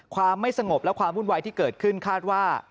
ความไม่สงบและความวุ่นวายที่เกิดขึ้นคาดว่า